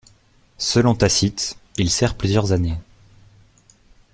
Selon Tacite, il sert plusieurs années.